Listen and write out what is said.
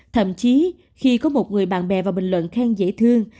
thậm chí khi có một người bạn bè vào bình luận khen dễ thương